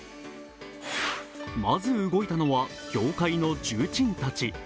まず動いたのは業界の重鎮たち。